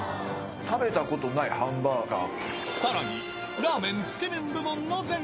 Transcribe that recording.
食べたことないハンバーガー。